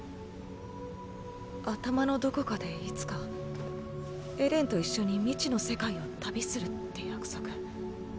頭のどこかでいつかエレンと一緒に未知の世界を旅するって約束。